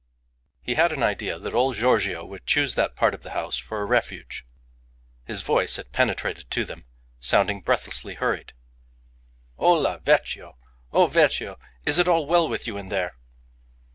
He had an idea that old Giorgio would choose that part of the house for a refuge. His voice had penetrated to them, sounding breathlessly hurried: "Hola! Vecchio! O, Vecchio! Is it all well with you in there?"